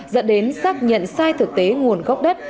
dẫn đến xác nhận sai thực tế nguồn gốc đất